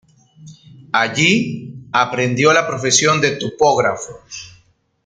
Allí, aprendió la profesión de topógrafo.